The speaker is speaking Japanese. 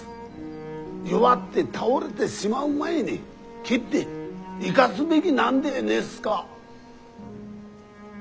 弱って倒れでしまう前に切って生がすべぎなんでねえっすか？